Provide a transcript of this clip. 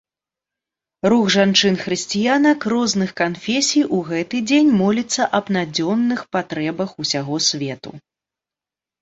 Рух жанчын-хрысціянак розных канфесій у гэты дзень моліцца аб надзённых патрэбах усяго свету.